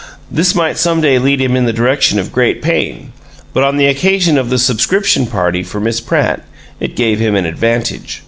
This might some day lead him in the direction of great pain, but on the occasion of the "subscription party" for Miss Pratt it gave him an advantage.